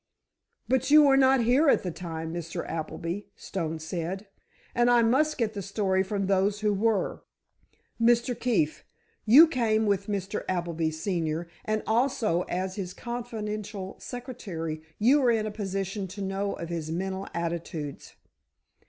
"But you were not here at the time, Mr. Appleby," Stone said, "and I must get the story from those who were. Mr. Keefe, you came with Mr. Appleby, senior, and, also, as his confidential secretary you are in a position to know of his mental attitudes.